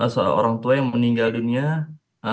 seorang orang tua yang meninggal dunia